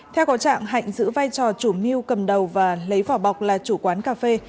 theo có trạng hạnh giữ vai trò chủ mưu cầm đầu và lấy vỏ bọc là chủ quán cà phê